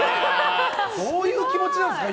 どういう気持ちなんすか？